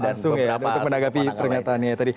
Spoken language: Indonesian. langsung ya untuk menanggapi pernyataannya tadi